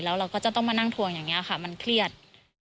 แล้วเราก็จะต้องมานั่งทวงอย่างนี้ค่ะมันเครียด